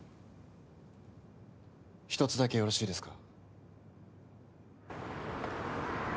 １つだけよろしいですか？